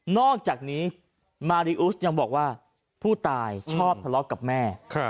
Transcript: อกจากนี้มาริอุสยังบอกว่าผู้ตายชอบทะเลาะกับแม่